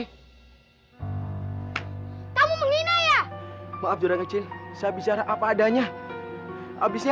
hai kamu mengelinanya maaf jodoh kecil sehabisahun separah adanya abisnya habisnya